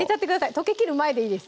溶けきる前でいいです